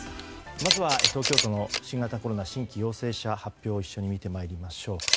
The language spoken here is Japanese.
まずは東京都の新型コロナ新規陽性者の発表を一緒に見てまいりましょう。